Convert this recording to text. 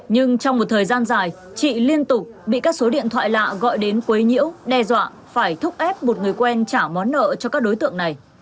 nhưng trong một thời gian dài chị liên tục bị các số điện thoại lạ gọi đến quấy nhiêu đe dọa phải thúc ép một người quen trả món nợ cho các đối tượng này